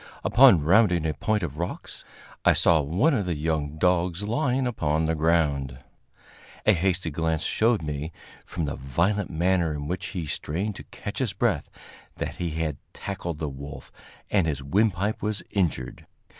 Upon rounding a point of rocks, I saw one of the young dogs lying upon the ground. A hasty glance showed me, from the violent manner in which he strained to catch his breath, that he had tackled the wolf and his windpipe was injured.